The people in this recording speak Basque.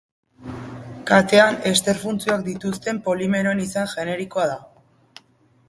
Katean ester funtzioak dituzten polimeroen izen generikoa da.